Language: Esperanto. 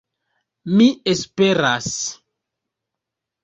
Mi esperas.